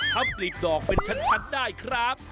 พับกรีบดอกเป็นชัดได้ครับ